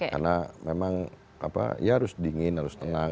karena memang ya harus dingin harus tenang